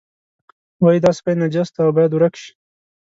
وایي دا سپی نجس دی او باید ورک شي.